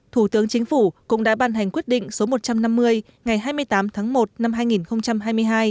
thủ tướng chính phủ cũng đã ban hành quyết định số một trăm năm mươi ngày hai mươi tám tháng một năm hai nghìn hai mươi hai